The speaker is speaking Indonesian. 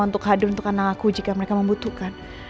yang hadir untuk anak aku jika mereka membutuhkan